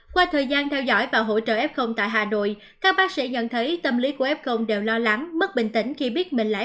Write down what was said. qua thời gian theo dõi và hỗ trợ f tại hà nội các bác sĩ nhận thấy tâm lý của f đều lo lắng bất bình tĩnh khi biết mình lãi